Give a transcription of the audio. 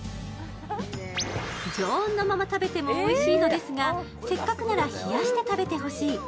常温のまま食べてもおいしいのですがせっかくなら冷やして食べてほしい。